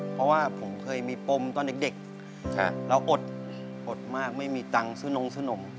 เพราะว่าผมเคยมีปมตอนเด็กแล้วอดอดมากไม่มีตังค์สนม